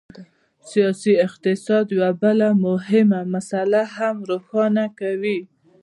سیاسي اقتصاد یوه بله مهمه مسله هم روښانه کوي.